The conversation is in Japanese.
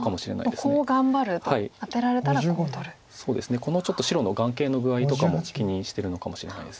このちょっと白の眼形の具合とかも気にしてるのかもしれないです。